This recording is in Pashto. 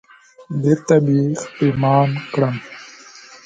بېرته به یې پښېمان کړم